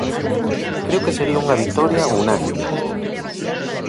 Creo que sería unha vitoria unánime.